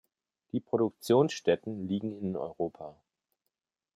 Die Produktionsstätten liegen in Europa.